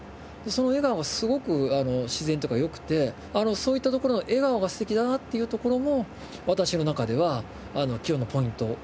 その笑顔がすごく自然というか良くてそういったところの笑顔が素敵だなっていうところも私の中では起用のポイントでありましたね。